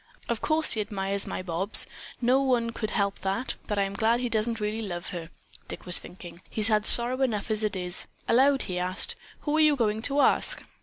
"Of course he admires my Bobs; no one could help that, but I'm glad that he doesn't really love her," Dick was thinking. "He's had sorrow enough as it is." Aloud he asked, "Who are you going to ask?"